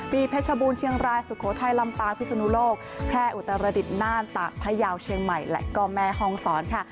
เพชรบูรเชียงรายสุโขทัยลำปางพิศนุโลกแพร่อุตรดิษฐ์น่านตากพยาวเชียงใหม่และก็แม่ห้องศรค่ะ